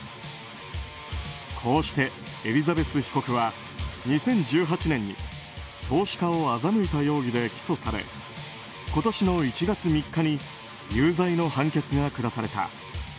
こうして、エリザベス被告は２０１８年に投資家を欺いた容疑で起訴され今年の１月３日に有罪の判決が下された。